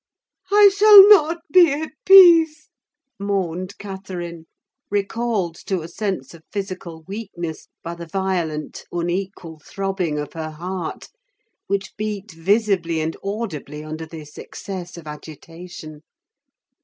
"I shall not be at peace," moaned Catherine, recalled to a sense of physical weakness by the violent, unequal throbbing of her heart, which beat visibly and audibly under this excess of agitation.